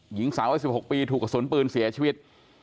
หญิงสาววัย๑๖ปีถูกกระสุนปืนเสียชีวิต